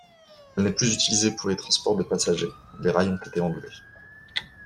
Elle n'est plus utilisée pour le transport de passagers, les rails ont été enlevés.